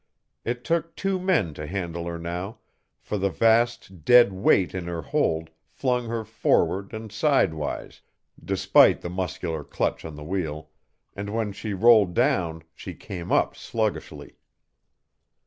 It took two men to handle her now, for the vast, dead weight in her hold flung her forward and sidewise, despite the muscular clutch on the wheel, and when she rolled down she came up sluggishly.